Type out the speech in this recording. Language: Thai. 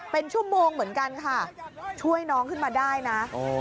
เป็นชั่วโมงเหมือนกันค่ะช่วยน้องขึ้นมาได้นะ